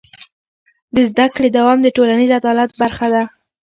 د زده کړې دوام د ټولنیز عدالت برخه ده.